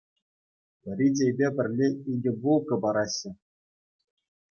Вӗри чейпе пӗрле икӗ булка параҫҫӗ.